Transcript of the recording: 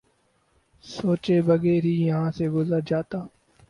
سوچے بغیر ہی یہاں سے گزر جاتا